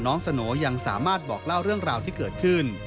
สโนยังสามารถบอกเล่าเรื่องราวที่เกิดขึ้น